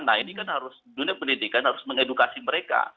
nah ini kan harus dunia pendidikan harus mengedukasi mereka